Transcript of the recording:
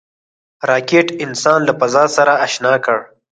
راکټ انسان له فضا سره اشنا کړ